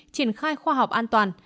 triển khai khoa học an toàn